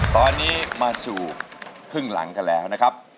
ตอนนี้มาสู่ครึ่งหลังกันแล้วนะครับ